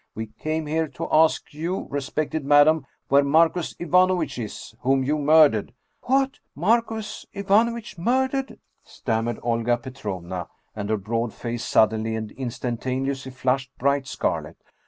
We came here to ask you, respected madam, where Marcus Ivanovitch is, whom you murdered !"" What ? Marcus Ivanovitch murdered ?" stammered Olga Petrovna, and her broad face suddenly and instan taneously flushed bright scarlet.